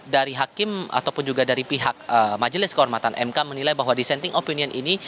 dari hakim ataupun juga dari pihak majelis kehormatan mk menilai bahwa dissenting opinion ini